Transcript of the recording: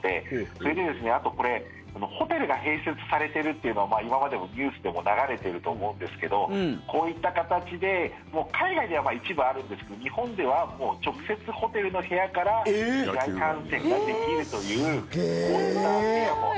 それで、あとこれホテルが併設されてるというのは今までもニュースでも流れてると思うんですけどこういった形でもう海外では一部あるんですけど日本ではもう直接ホテルの部屋から試合観戦ができるというそういった部屋もあります。